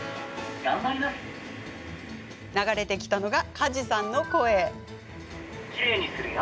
流れてきたのは梶さんの声。